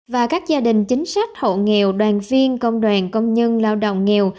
và các gia đình chính sách hộ nghèo đoàn viên công đoàn công nhân lao động nghèo